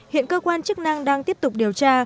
hiện cơ quan chức năng đang tiếp tục điều tra